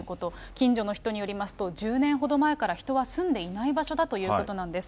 近所の人によりますと、１０年ほど前から人は住んでいない場所だということなんです。